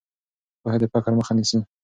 پوهه د فقر مخه نیسي.